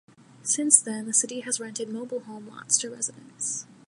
Since then the city has rented mobile home lots to residents.